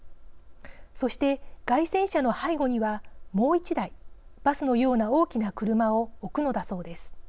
そして街宣車の背後にはもう１台バスのような大きな車を置くのだそうです。